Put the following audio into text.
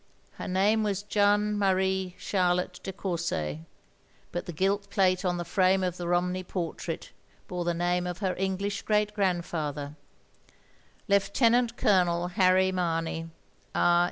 Her name was Jeanne Marie Charlotte de Cour set; but the gilt plate on the frame of the Romney portrait bore the name of her English great grandfather, Lt, Colonel Harry Mamey, R.